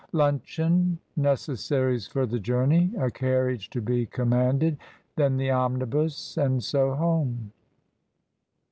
"Luncheon, necessaries for the journey, a carrriage to be commanded, then the omnibus, and so home."